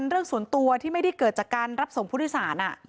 เรื่องส่วนตัวที่ไม่ได้เกิดจากการรับส่งผู้โดยสาร